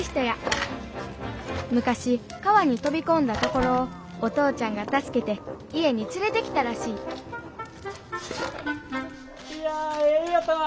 昔川に飛び込んだところをお父ちゃんが助けて家に連れてきたらしいいやええ湯やったわ。